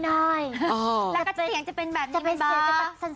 แล้วก็จะเป็นแบบนี้บ้าง